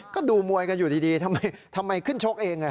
ก็ดูมวยกันอยู่ดีทำไมขึ้นชกเอง